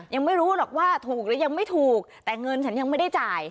ยังไม่รู้หรอกว่าถูกหรือยังไม่ถูกแต่เงินฉันยังไม่ได้จ่าย